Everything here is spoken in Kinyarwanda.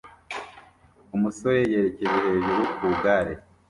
Umusore yerekeje hejuru ku igare